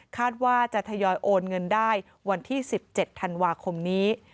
คาดว่าจะทยอยโอนเงินได้วันที่๑๗ธันวาคมนี้